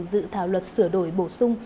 dự thảo luật sửa đổi bổ sung